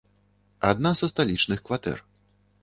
Адна са сталічных кватэр.